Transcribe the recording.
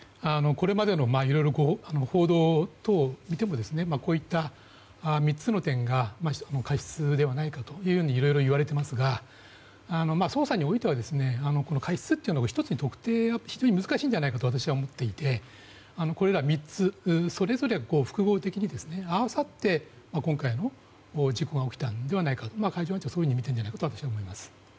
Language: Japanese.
これまでの報道等を見てもこういった３つの点が過失ではないかといろいろいわれていますが捜査においては過失というのを１つに特定は非常に難しいのではないかと私は思っていてこれら３つそれぞれが複合的に合わさって今回の事故が起きたのではないかと海上保安本部もそういうふうに見てるのではないかと思います。